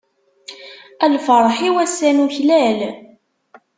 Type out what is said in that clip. A lferḥ-iw ass-a nuklal.